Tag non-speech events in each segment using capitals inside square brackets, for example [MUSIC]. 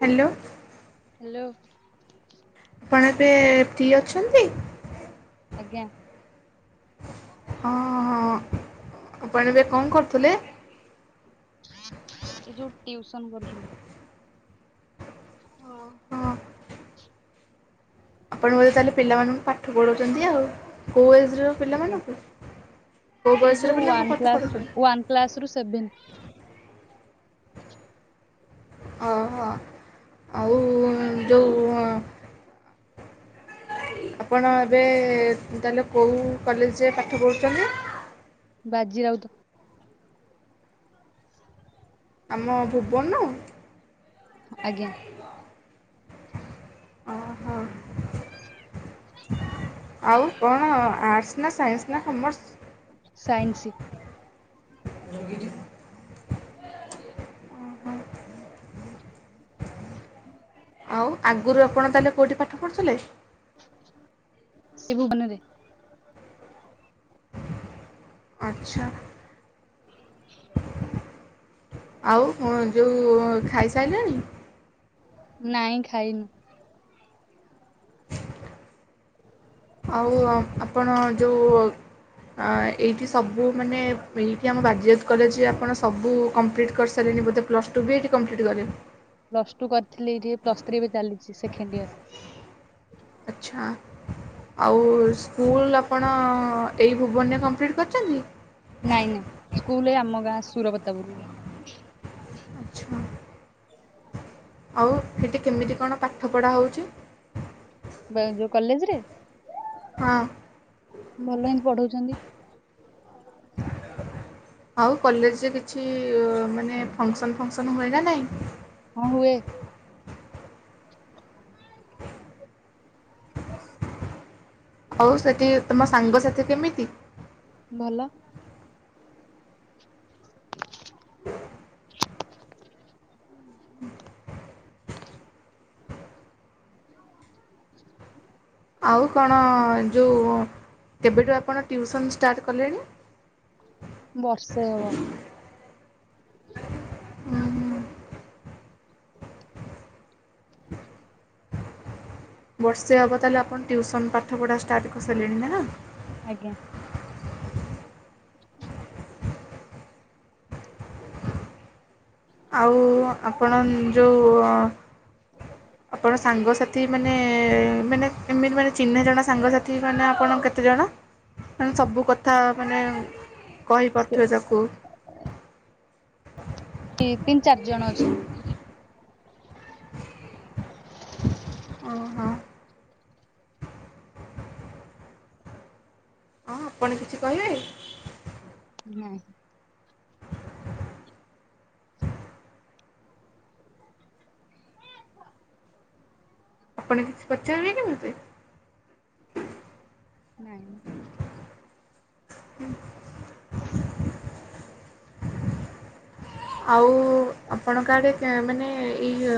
Hello. Hello. ଆପଣ ଏବେ free ଅଛନ୍ତି? ଆଜ୍ଞା। ହଁ ହଁ ଆପଣ ଏବେ କଣ କରୁଥିଲେ? ଏ ଯୋଉ ଟିଉସନ କରିଥିଲୁ। ହଁ ଆପଣ ବୋଧେ ତାହେଲେ ପିଲାମାନଙ୍କୁ ପାଠ ପଢଉଛନ୍ତି ଆଉ। କୋଉ ଏଜର? ଆଜ୍ଞା ପିଲାମାନଙ୍କୁ, କୋଉ ଏଇ ଯୋଉ ବୟସର ପିଲାଙ୍କୁ ୱାନ ପାଠ କ୍ଲାସ ପଢଉଛନ୍ତି? ୱାନ କ୍ଲାସ ରୁ ସେଭେନ୍। ଅହ ହ। ଆଉ ଯୋଉ ଆପଣ ଏବେ ତାହେଲେ କଉ କଲେଜରେ ପାଠ ପଢ଼ୁଛନ୍ତି? ବାଜିରାଉତ। ଆମ ଭୁବନ। ଆଜ୍ଞା। ଅ ହ। ଆଉ କଣ ଆର୍ସ ନା ସାଇନ୍ସ ନା କମଅର୍ସ? ସାଇନ୍ସି। [UNINTELLIGIBLE] ଓହୋ [INAUDIBLE] ଆଉ ଆଗୁରୁ ଆପଣ ତା ହେଲେ କଉଠି ପାଠ ପଢ଼ୁଥିଲେ? ସେଇ ଭୁବନରେ। ଆଚ୍ଛା। [INAUDIBLE] ଆଉ କଣ ଯୋଉ ଖାଇସାଇଲଣି? ନାଇଁ ଖାଇନି। [INAUDIBLE] ଆଉ ଆପଣ ଯୋଉ ଅଁ, ଏଇଠି ସବୁ ମାନେ ଏଇଠି ଆମ ବାଜି ରାଉତ କଲେଜ, ଆପଣ ସବୁ କମ୍ପ୍ଲିଟ୍ କରି ସାରିଲେଣି ବୋଧେ। ପ୍ଲସ୍ ଟୁ ବି ଏଇିଠି କମ୍ପ୍ଲିଟ୍ କରି ପ୍ଲସ୍ ଟୁ କରିଥିଲି ଏଇଠି। ପ୍ଲସ୍ ଥ୍ରୀ ଏବେ ଚାଲିଛି ସେକେଣ୍ଡ ଇୟର। ଆଚ୍ଛା। ଆଉ ସ୍କୁଲ ଆପଣ ଏଇ ଭୁବନରେ କମପ୍ଲିଟ୍ କରିଛନ୍ତି? ନାଇଁ ନାଇଁ, ସ୍କୁଲ ଆମ ଗାଁ ସୁରପତାପୁର। ଆଚ୍ଛା। ଆଉ ସେଠି କେମିତି କଣ ପାଠ ପଢ଼ା ହଉଛି? ବାଜ୍ ଯୋଉ କଲେଜରେ। ହଁ। ଭଲ ହିଁ ପଢଉଛନ୍ତି। [INAUDIBLE] ଆଉ କଲେଜରେ କିଛି ମାନେ ଫଙ୍କସନ୍ ଫଙ୍କସନ୍ ହୁଏ ନା ନାଇଁ। ହଁ ହୁଏ। ଆଉ ସେଠି ତମ ସାଙ୍ଗସାଥି କେମିତି? ଭଲ। ଆଉ କଣ ଯୋଉ କେବେଠୁ ଆପଣ ଟ୍ୟୁସନ୍ ଷ୍ଟାର୍ଟ କଲେଣି? ବର୍ଷେ ହବ। ହୁଁ ହୁଁ। ବର୍ଷେ ହେବ ତା ହେଲେ ଆପଣ ଟ୍ୟୁସନ୍ ପାଠପଢ଼ା ଷ୍ଟାର୍ଟ କରି ସାରିଲେଣି ନା ନାହିଁ। ଆଜ୍ଞା। [INAUDIBLE] ଆଉ ଆପଣ ଯୋଉ ଆପଣ ସାଙ୍ଗସାଥି ମାନେ ମାନେ ଏମିତି ମାନେ ଚିହ୍ନା ଜଣା ସାଙ୍ଗସାଥି ମାନେ ଆପଣ କେତେ ଜଣ? ମାନେ ସବୁ କଥା ମାନେ କହି ସେ ପାରୁଥିବେ ତାକୁ। ତିନି ଚାରି ଜଣ ଅଛନ୍ତି। ଓ ହୋ। ହଁ, ଆପଣ କିଛି କହିବେ। ନାହିଁ। ଆପଣ କିଛି ପଚାରିବେ କି ମୋତେ? ନାଇଁ। [INAUDIBLE] ଆଉ ଆପଣଙ୍କ ଆଡ଼େ ମାନେ ଏଇ ହି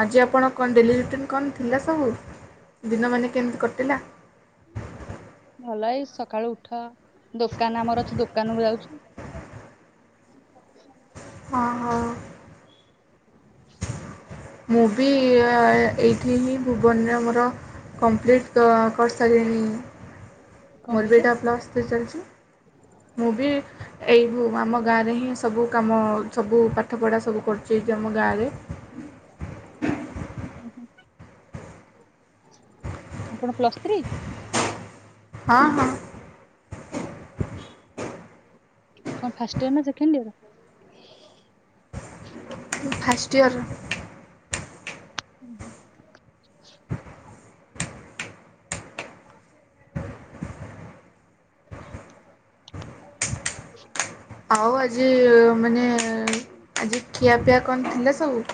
ଆଜି ଆପଣ କଣ ଡେଲି ରୁଟିନ୍ କଣ ଥିଲା ସବୁ ଦିନ ମାନ କେମିତି କଟିଲା? ଭଲ ଏଇ ସକାଳୁ ଉଠ। ଦୋକାନ ଆମର ଅଛି, ଦୋକାନ କୁ ଯାଉଛିୁ। ହଁ ହଉ। ମୁଁ ବି ଏଇଠି ହିଁ ଭୁବନରେ ମୋର କମ୍ପ୍ଲିଟ୍ କରି ସାରିଲିଣି ମୋର କହିଲେ ବି ଏଇଟା ପ୍ଲସ୍ ଥ୍ରି ଚାଲିଛି। ମୁଁ ବି ଏଇ ଆମ ଗାଁରେ ହିଁ ସବୁ କାମ ସବୁ ପାଠପଢ଼ା ସବୁ କରୁ ଶ୍ରୀଜମ ଗାରେ। ହୁଁ, ହୁଁ। ଆପଣ ପ୍ଲସ୍ ଥ୍ରୀ? ହଁ, ହଁ। କଣ ଫାଷ୍ଟ ଇୟର ନା ସେକେଣ୍ଡ ଇୟର? First year. ଉ ହୁଁ। [INAUDIBLE] [INAUDIBLE] ଆଉ ଆଜି ମାନେ ଆଜି ଖିଆପିଆ କଣ ଥିଲା ସବୁ?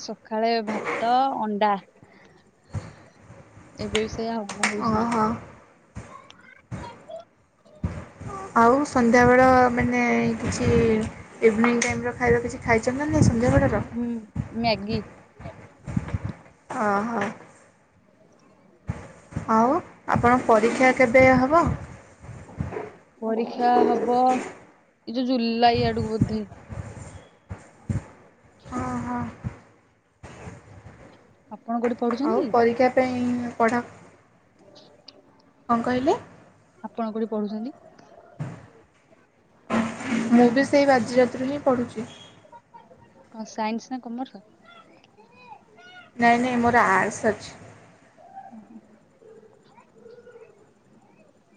ସଖାଳେ ଭାତ, ଅଣ୍ଡା। ଏବେ ବି ସେଇଆ ବ ହଉଛି ନାହିଁ [UNINTELLIGIBLE] ଓହୋ ଆଉ ସନ୍ଧ୍ୟା ବେଳ ମାନେ କିଛି ଇଭିନିଂ ଟାଇମ୍ ର ଖାଇବା କିଛି ଖାଇଛ ନା ନାହିଁ ସନ୍ଧ୍ୟାବେଳର? ହୁଁ ମ୍ୟାଗି। ଓହୋ। ଆଉ ଆପଣ ପରୀକ୍ଷା କେବେ ହବ? ପରୀକ୍ଷା ହବ ଏ ଯୋଉ ଜୁଲାଇ ଆଡକୁ ବୋଧେ। ଓହୋ [INAUDIBLE] ଆପଣ କୋଉଠି ପଢୁଛନ୍ତି? ଆଉ ପରୀକ୍ଷା ପାଇଁ ପଢ଼ା [INAUDIBLE] କଣ କହିଲେ? ଆପଣ କୋଉଠି ପଢ଼ୁଛନ୍ତି? ମୁଁ ବି ସେଇ ବାଜିଯାତରୁ ହିଁ ପଢୁଛି। କଣ ସାଇନ୍ସ ନା କାମର୍ସ? ନାଇଁ ନାଇଁ ମୋର ଆର୍ଟ୍ସ ଅଛି। ଓହୋ।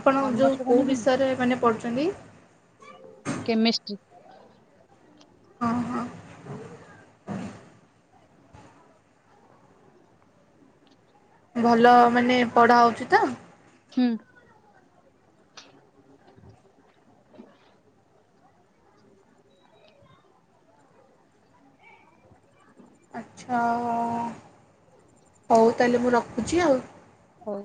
ଆପଣ ଯଉ କଣ କଉ ବିଷୟରେ ମାନେ ପଢ଼ୁଛନ୍ତି? କେମେଷ୍ଟ୍ରୀି। ହଁ, ହଁ। ଭଲ ମାନେ ପଢା ହଉଛି ତ? ହୁଁ। ଆଚ୍ଛା ହଉ ତା ହେଲେ ମୁଁ ରଖୁଛି ଆଉ। ହଉ।